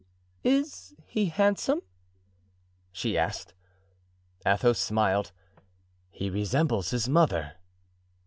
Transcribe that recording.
"Is he handsome?" she asked. Athos smiled. "He resembles his mother."